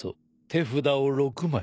手札を６枚。